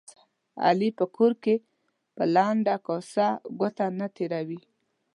علي په کور کې په لنده کاسه ګوته نه تېروي.